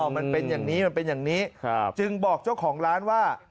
มันเป็นอย่างนี้มันเป็นอย่างนี้จึงบอกเจ้าของร้านว่า